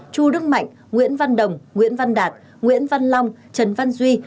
chu đức mạnh nguyễn văn đồng nguyễn văn đạt nguyễn văn long trần văn duy